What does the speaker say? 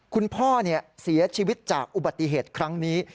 คุณพ่อเสียชีวิตจากอุบัติเหตุครั้งนี้